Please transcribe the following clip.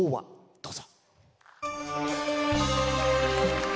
どうぞ。